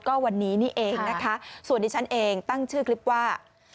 ก็วันนี้นี่เองนะคะส่วนที่ฉันเองตั้งชื่อคลิปว่า